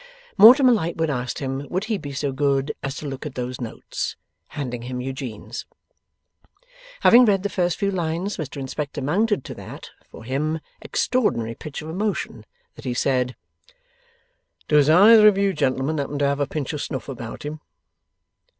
Mortimer Lightwood asked him, would he be so good as look at those notes? Handing him Eugene's. Having read the first few lines, Mr Inspector mounted to that (for him) extraordinary pitch of emotion that he said, 'Does either of you two gentlemen happen to have a pinch of snuff about him?